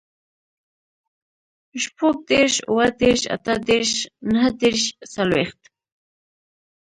شپوږدېرش, اوهدېرش, اتهدېرش, نهدېرش, څلوېښت